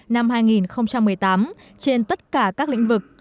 năm hai nghìn một mươi tám trên tất cả các lĩnh vực